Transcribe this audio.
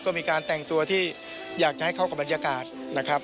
ก็มีการแต่งตัวที่อยากจะให้เข้ากับบรรยากาศนะครับ